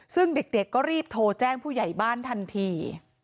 ซึ่งเด็กก็รีบโทรแจ้งผู้ใหญ่บ้านทันที